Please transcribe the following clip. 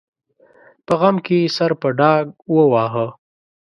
په غم کې یې سر په ډاګ وواهه.